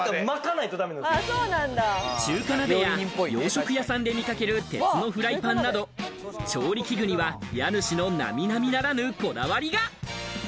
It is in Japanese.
中華鍋や洋食屋さんで見掛ける鉄のフライパンなど調理器具には家主の並々ならぬこだわりが。